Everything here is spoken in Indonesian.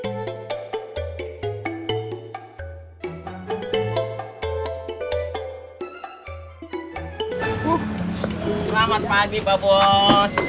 selamat pagi pak bos